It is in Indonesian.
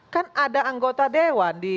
kan ada anggota dewan